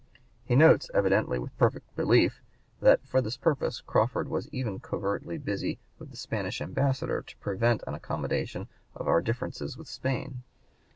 He notes, evidently with perfect belief, that for this purpose Crawford was even covertly busy with the Spanish ambassador to prevent an accommodation of our differences with Spain.